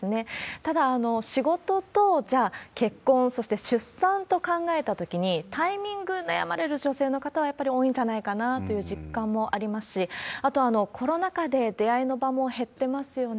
ただ、仕事と、じゃあ、結婚、そして出産と考えたときに、タイミング、悩まれる女性の方はやっぱり多いんじゃないかなという実感もありますし、あと、コロナ禍で出会いの場も減ってますよね。